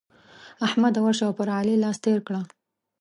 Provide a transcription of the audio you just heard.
احمده! ورشه او پر علي لاس تېر کړه.